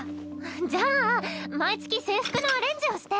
じゃあ毎月制服のアレンジをして。